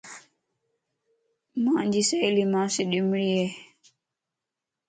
مانجي سھيلي مانسي ڏمري اي